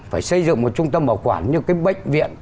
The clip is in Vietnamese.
phải xây dựng một trung tâm bảo quản như cái bệnh viện